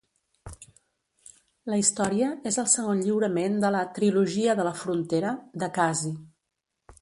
La història és el segon lliurament de la "Trilogia de la frontera" de Caazi.